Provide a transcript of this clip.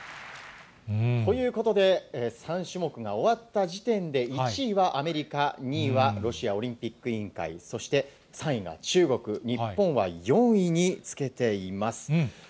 ということで、３種目が終わった時点で、１位はアメリカ、２位はロシアオリンピック委員会、そして３位が中国、日本は４位につけています。